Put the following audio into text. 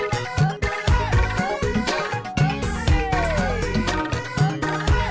semarang semarang semarang